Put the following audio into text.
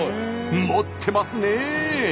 持ってますね！